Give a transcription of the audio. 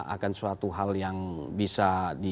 akan suatu hal yang bisa